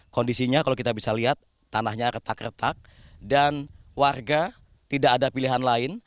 kondisinya kalau kita bisa lihat tanahnya retak retak dan warga tidak ada pilihan lain